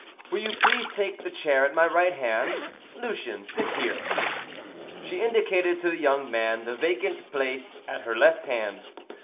Will you please take the chair at my right hand? Lucien, sit here." She indicated to the young man the vacant place at her left hand.